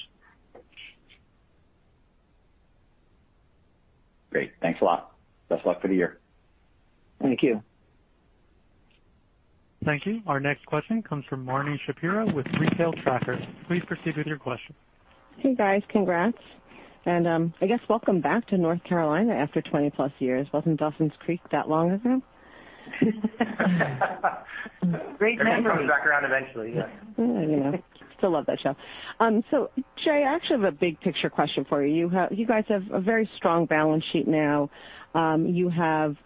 Great. Thanks a lot. Best of luck for the year. Thank you. Thank you. Our next question comes from Marni Shapiro with Retail Tracker. Please proceed with your question. Hey, guys. Congrats. I guess welcome back to North Carolina after 20+ years. Wasn't Dawson's Creek that long ago? Great memory. Everything comes back around eventually. Yeah. Yeah. Still love that show. Jay, I actually have a big picture question for you. You guys have a very strong balance sheet now. You have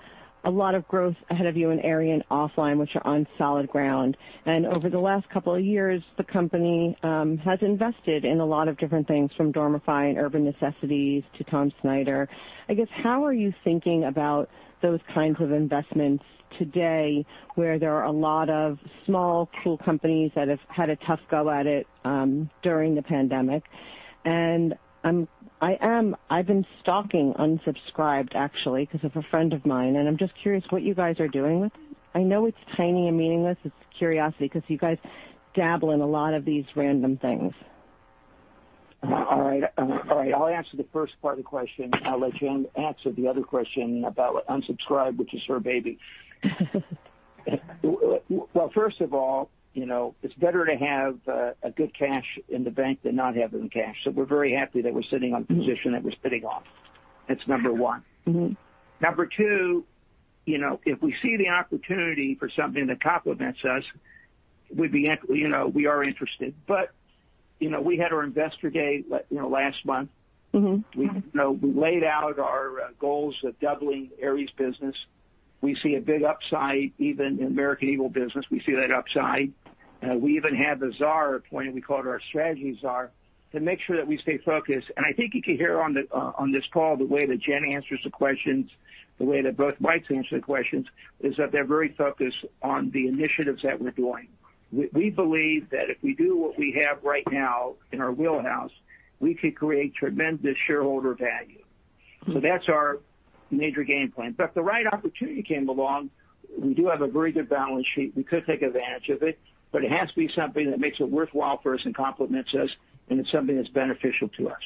a lot of growth ahead of you in Aerie and OFFLINE, which are on solid ground. Over the last couple of years, the company has invested in a lot of different things, from Dormify and Urban Necessities to Todd Snyder. I guess, how are you thinking about those kinds of investments today, where there are a lot of small cool companies that have had a tough go at it during the pandemic? I've been stalking Unsubscribed, actually, because of a friend of mine, and I'm just curious what you guys are doing with it. I know it's tiny and meaningless. It's curiosity, because you guys dabble in a lot of these random things. All right. I'll answer the first part of the question. I'll let Jen answer the other question about Unsubscribed, which is her baby. Well, first of all, it's better to have a good cash in the bank than not having cash. We're very happy that we're sitting on position that we're spinning off. That's number one. Number two, if we see the opportunity for something that complements us, we are interested. We had our Investor Day last month. We laid out our goals of doubling Aerie's business. We see a big upside even in American Eagle business, we see that upside. We even have the tsar appointed, we call it our strategy tsar, to make sure that we stay focused. I think you could hear on this call, the way that Jen answers the questions, the way that both Mike's answer the questions, is that they're very focused on the initiatives that we're doing. We believe that if we do what we have right now in our wheelhouse, we could create tremendous shareholder value. That's our major game plan. If the right opportunity came along, we do have a very good balance sheet, we could take advantage of it, but it has to be something that makes it worthwhile for us and complements us, and it's something that's beneficial to us.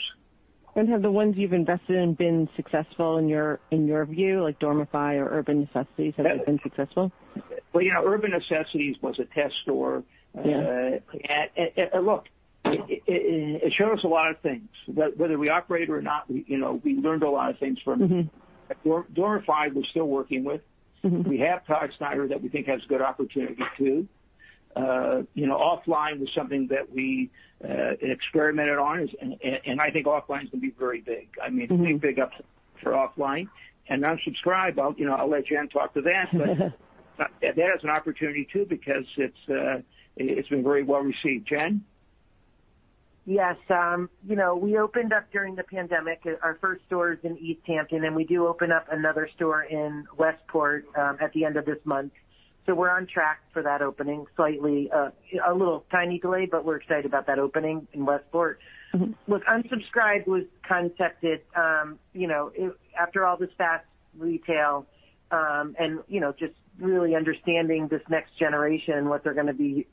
Have the ones you've invested in been successful in your view, like Dormify or Urban Necessities? Have they been successful? Well, Urban Necessities was a test store. Yeah. Look, it showed us a lot of things. Whether we operate it or not, we learned a lot of things from it. Dormify, we're still working with. We have Todd Snyder that we think has good opportunity too. OFFLINE was something that we experimented on. I think OFFLINE's gonna be very big. I mean, big upside for OFFLINE. Unsubscribed, I'll let Jen talk to that. That has an opportunity too because it's been very well received. Jen? Yes. We opened up during the pandemic. Our first store is in East Hampton, and we do open up another store in Westport at the end of this month. We're on track for that opening, slightly a little tiny delay, but we're excited about that opening in Westport. Look, Unsubscribed was concepted, after all this fast retail, and just really understanding this next generation, what they're gonna be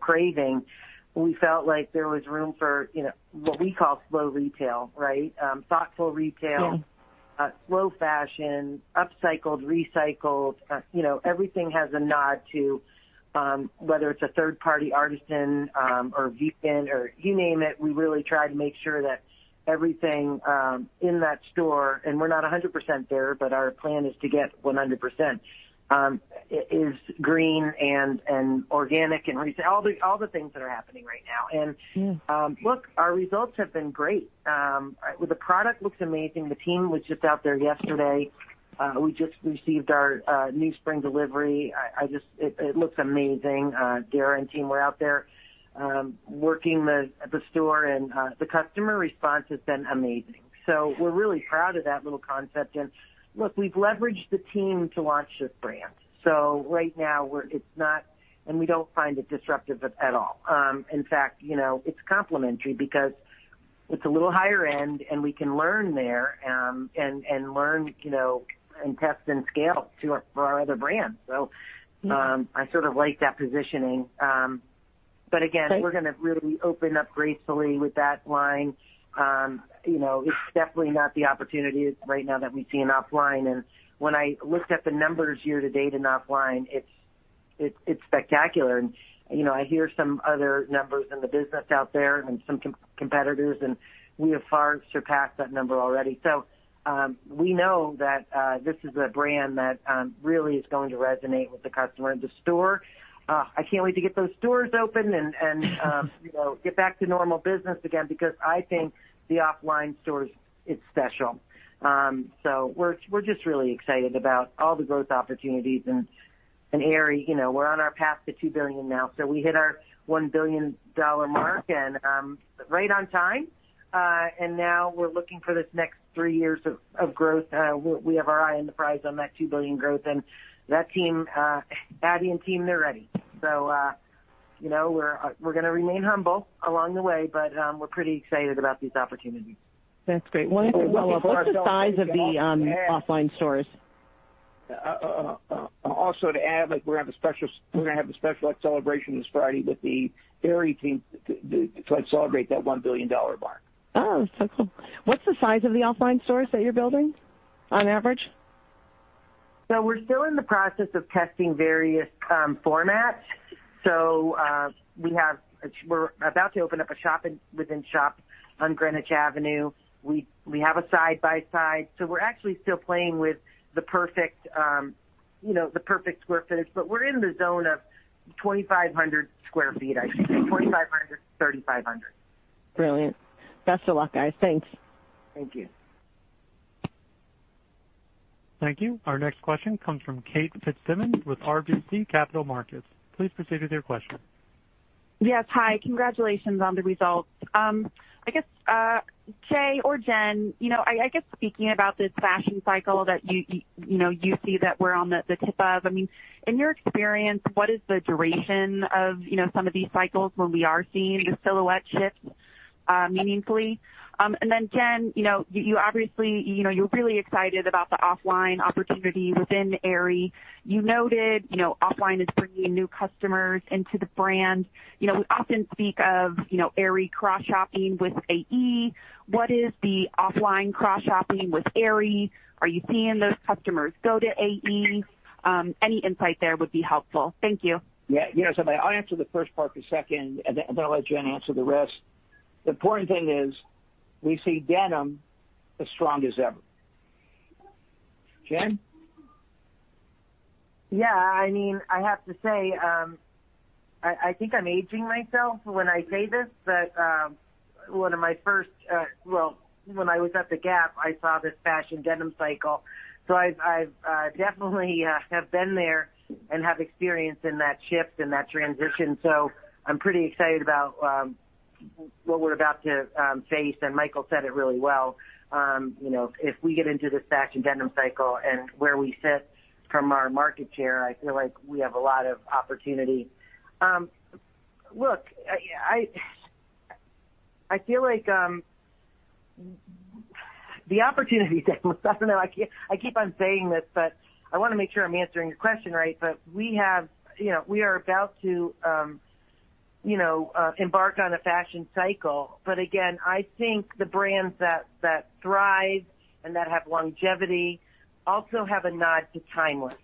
craving. We felt like there was room for what we call slow retail, right? Thoughtful retail. Yeah. Slow fashion, upcycled, recycled. Everything has a nod to, whether it's a third party artisan, or v-pin or you name it, we really try to make sure that everything in that store, and we're not 100% there, but our plan is to get 100%, is green and organic and retail. All the things that are happening right now. Yeah. Our results have been great. The product looks amazing. The team was just out there yesterday. We just received our new spring delivery. It looks amazing. Dara and team were out there working at the store, and the customer response has been amazing. We're really proud of that little concept. We've leveraged the team to launch this brand. Right now, we don't find it disruptive at all. In fact, it's complementary because it's a little higher end, and we can learn there, and learn, and test and scale for our other brands. Yeah. I sort of like that positioning. Great. we're gonna really open up gracefully with that line. It's definitely not the opportunity right now that we see in OFFLINE. When I looked at the numbers year to date in OFFLINE, it's spectacular. I hear some other numbers in the business out there and some competitors, and we have far surpassed that number already. We know that this is a brand that really is going to resonate with the customer in the store. I can't wait to get those stores open to get back to normal business again because I think the OFFLINE stores, it's special. We're just really excited about all the growth opportunities in Aerie. We're on our path to $2 billion now. We hit our $1 billion mark and right on time. Now we're looking for this next three years of growth. We have our eye on the prize on that $2 billion growth and Abby and team, they're ready. We're going to remain humble along the way, but we're pretty excited about these opportunities. That's great. Wonderful. What's the size of the OFFLINE stores? To add, we're going to have a special celebration this Friday with the Aerie team to celebrate that $1 billion mark. Oh, so cool. What's the size of the OFFLINE stores that you're building on average? We're still in the process of testing various formats. We're about to open up a shop within shop on Greenwich Avenue. We have a side by side. We're actually still playing with the perfect square footage, but we're in the zone of 2,500 sq ft, I should say, 2,500 sq ft-3,500 sq ft. Brilliant. Best of luck, guys. Thanks. Thank you. Thank you. Our next question comes from Kate Fitzsimons with RBC Capital Markets. Please proceed with your question. Yes. Hi. Congratulations on the results. I guess, Jay or Jen, I guess speaking about this fashion cycle that you see that we're on the tip of, I mean, in your experience, what is the duration of some of these cycles when we are seeing the silhouette shift meaningfully? Jen, you're really excited about the OFFLINE opportunity within Aerie. You noted OFFLINE is bringing new customers into the brand. We often speak of Aerie cross-shopping with AE. What is the OFFLINE cross-shopping with Aerie? Are you seeing those customers go to AE? Any insight there would be helpful. Thank you. Yeah. I'll answer the first part, the second, and then I'll let Jen answer the rest. The important thing is we see denim as strong as ever. Jen? Yeah. I mean, I have to say, I think I'm aging myself when I say this, one of my first, well, when I was at the Gap, I saw this fashion denim cycle. I definitely have been there and have experience in that shift and that transition. I'm pretty excited about what we're about to face, and Michael said it really well. If we get into this fashion denim cycle and where we sit from our market share, I feel like we have a lot of opportunity. Look, I feel like the opportunity demo I keep on saying this, but I want to make sure I'm answering your question right. We are about to embark on a fashion cycle. Again, I think the brands that thrive and that have longevity also have a nod to timeless.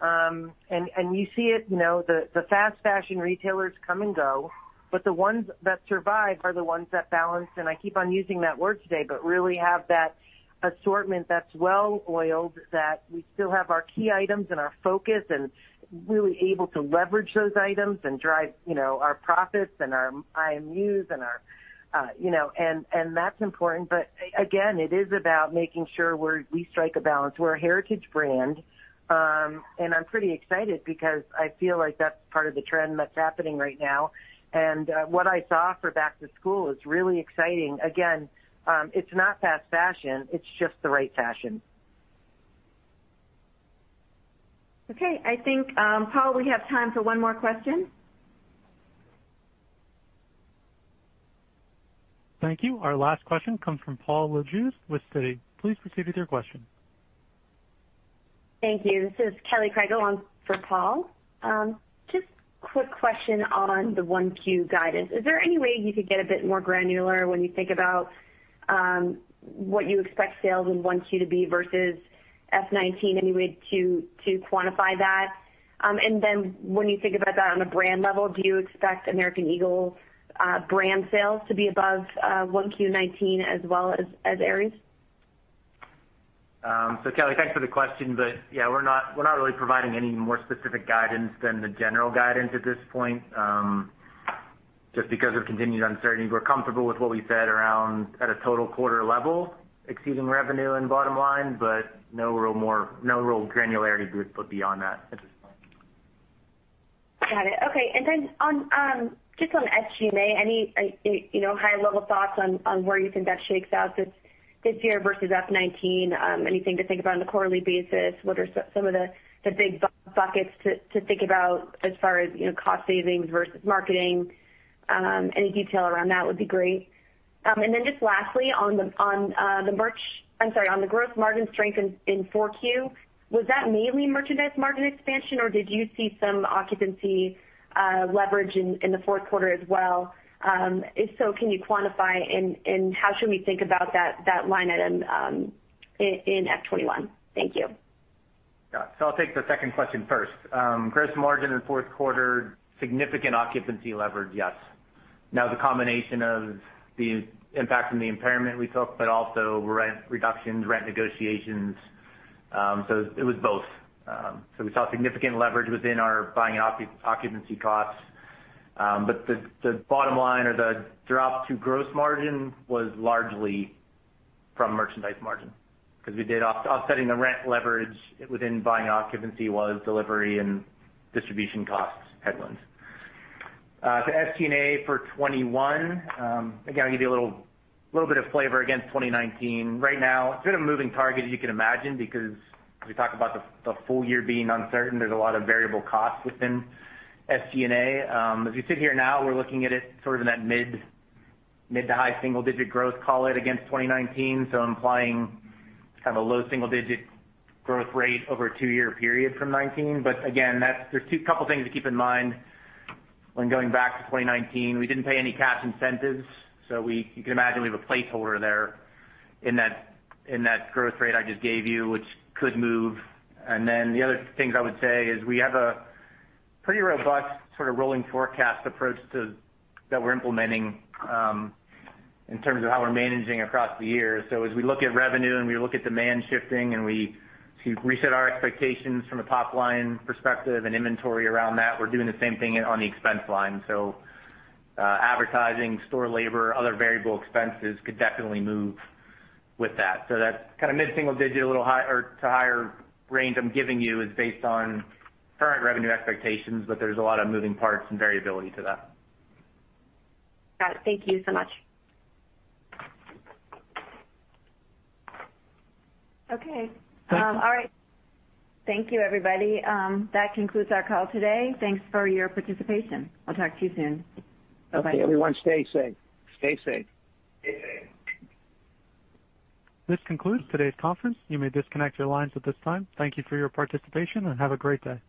You see it, the fast fashion retailers come and go, but the ones that survive are the ones that balance, and I keep on using that word today, but really have that assortment that's well-oiled, that we still have our key items and our focus and really able to leverage those items and drive our profits and our IMUs, and that's important. Again, it is about making sure we strike a balance. We're a heritage brand. I'm pretty excited because I feel like that's part of the trend that's happening right now. What I saw for back to school is really exciting. Again, it's not fast fashion, it's just the right fashion. Okay. I think, Paul, we have time for one more question. Thank you. Our last question comes from Paul Lejuez with Citi. Please proceed with your question. Thank you. This is Kelly Crago along for Paul. Quick question on the 1Q guidance. Is there any way you could get a bit more granular when you think about what you expect sales in 1Q to be versus FY 2019, any way to quantify that? When you think about that on a brand level, do you expect American Eagle brand sales to be above 1Q 2019 as well as Aerie's? Kelly, thanks for the question. Yeah, we're not really providing any more specific guidance than the general guidance at this point, just because of continued uncertainty. We're comfortable with what we said around at a total quarter level exceeding revenue and bottom line, but no real granularity beyond that at this point. Got it. Okay. Just on SG&A, any high level thoughts on where you think that shakes out this year versus FY 2019? Anything to think about on a quarterly basis? What are some of the big buckets to think about as far as cost savings versus marketing? Any detail around that would be great. Just lastly, on the gross margin strength in 4Q, was that mainly merchandise margin expansion, or did you see some occupancy leverage in the fourth quarter as well? If so, can you quantify, and how should we think about that line item in FY 2021? Thank you. Yeah. I'll take the second question first. Gross margin in fourth quarter, significant occupancy leverage, yes. Now, it was the combination of the impact from the impairment we took, also rent reductions, rent negotiations. It was both. We saw significant leverage within our buying occupancy costs. The bottom line or the drop to gross margin was largely from merchandise margin because we did offsetting the rent leverage within buying occupancy was delivery and distribution costs headwinds. To SG&A for 2021, again, I'll give you a little bit of flavor against 2019. Right now, it's a bit of a moving target, as you can imagine, because as we talk about the full year being uncertain, there's a lot of variable costs within SG&A. As we sit here now, we're looking at it in that mid to high single-digit growth call it against 2019. Implying a low single-digit growth rate over a two-year period from 2019. Again, there's a couple things to keep in mind when going back to 2019. We didn't pay any cash incentives, so you can imagine we have a placeholder there in that growth rate I just gave you, which could move. The other things I would say is we have a pretty robust rolling forecast approach that we're implementing in terms of how we're managing across the year. As we look at revenue and we look at demand shifting, and we reset our expectations from a top line perspective and inventory around that, we're doing the same thing on the expense line. Advertising, store labor, other variable expenses could definitely move with that. That mid single digit to higher range I'm giving you is based on current revenue expectations, but there's a lot of moving parts and variability to that. Got it. Thank you so much. Okay. All right. Thank you everybody. That concludes our call today. Thanks for your participation. I'll talk to you soon. Bye-bye. Everyone, stay safe. Stay safe. This concludes today's conference. You may disconnect your lines at this time. Thank you for your participation and have a great day.